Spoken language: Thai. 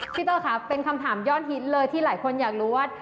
เตอร์ค่ะเป็นคำถามยอดฮิตเลยที่หลายคนอยากรู้ว่า